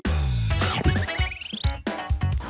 อ๋อปลิ้มชอบ